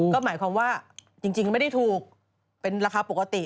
ก็หมายความว่าจริงไม่ได้ถูกเป็นราคาปกติ